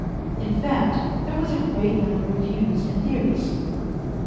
In fact, there was a great number of views and theories.